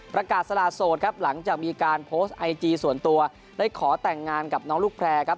สละโสดครับหลังจากมีการโพสต์ไอจีส่วนตัวได้ขอแต่งงานกับน้องลูกแพร่ครับ